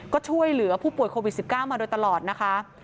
ก็ช่วยเหลือผู้ป่วยโควิด๑๙มาโดยตลอดนะคะ